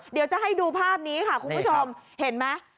เดี๋ยวจะให้ดูภาพนี้ค่ะคุณผู้ชมเห็นไหม